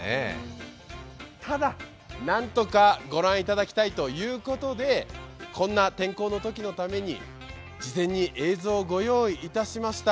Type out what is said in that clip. ただ、何とか御覧いただきたいということでこんな天候のときのために事前に映像をご用意いたしました。